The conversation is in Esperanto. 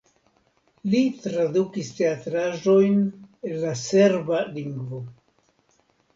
Li tradukis teatraĵojn el la serba lingvo.